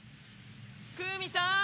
・クウミさん！